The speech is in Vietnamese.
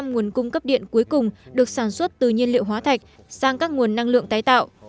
năm nguồn cung cấp điện cuối cùng được sản xuất từ nhiên liệu hóa thạch sang các nguồn năng lượng tái tạo